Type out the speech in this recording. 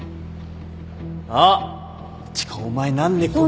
あっていうかお前何でこの。